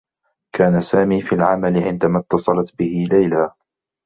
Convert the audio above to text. كان سامي في العمل عندما اتّصلت به ليلى.